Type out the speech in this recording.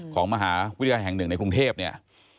ของมหาวิทยาลัยแห่งหนึ่งในกรุงเทพเนี่ย